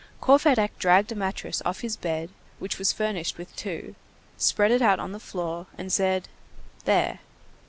Courfeyrac dragged a mattress off his bed, which was furnished with two, spread it out on the floor, and said: "There."